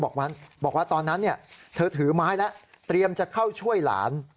บอกว่าตอนนั้นเธอถือไม้แล้วเตรียมจะเข้าช่วยหลาน